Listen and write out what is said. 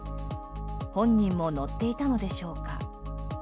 本人も乗っていたのでしょうか。